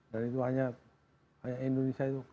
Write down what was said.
dan itu hanya indonesia itu